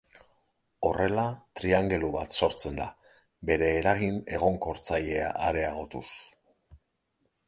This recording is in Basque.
Horrela, triangelu bat sortzen da, bere eragin egonkortzailea areagotuz.